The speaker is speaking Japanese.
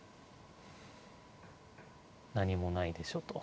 何もないでしょと。